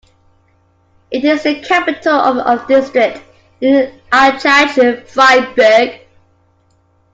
It is the capital of the district of Aichach-Friedberg.